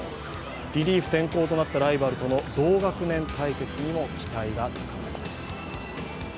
リリーフ転向となったライバルとの同学年対決にも期待が高まります。